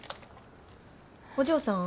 お嬢さん。